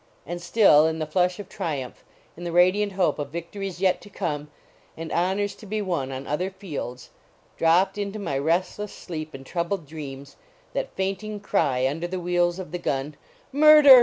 And still, in the flush of triumph, in the radiant hope of victories yet to come, and honors to be won on other fields, dropped into my rest less sleep and troubled dreams that fainting cry under the wheels of the gun, "Murder!